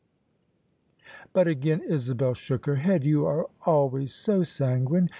But again Isabel shook her head. "You are always so sanguine.